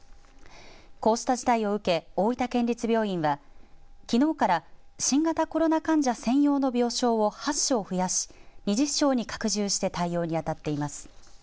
こうした事態を受け大分県立病院はきのうから新型コロナ患者専用の病床を８床増やし２０床に拡充して対応に当たっています。